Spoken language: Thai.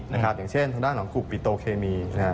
อย่างเช่นทางด้านของกลุ่มปิโตเคมี